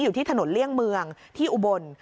อยู่ที่ถนนเลี่ยงเมืองที่อุบล